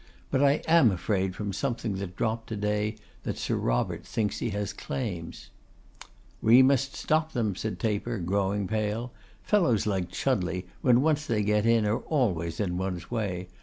But I am afraid from something that dropped to day, that Sir Robert thinks he has claims.' 'We must stop them,' said Taper, growing pale. 'Fellows like Chudleigh, when they once get in, are always in one's way.